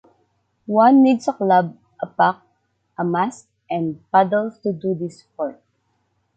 One needs a club, a puck, a mask and paddles to do this sport.